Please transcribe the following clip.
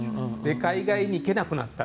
海外に行けなくなった。